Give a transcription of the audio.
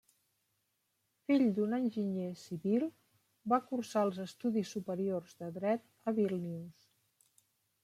Fill d'un enginyer civil, va cursar els estudis superiors de dret a Vílnius.